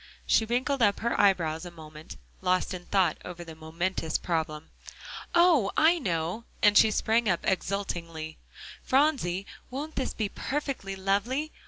She wrinkled up her eyebrows a moment, lost in thought over the momentous problem. "Oh! I know," and she sprang up exultingly. "Phronsie, won't this be perfectly lovely?